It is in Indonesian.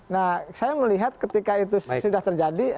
nah saya melihat ketika itu sudah terjadi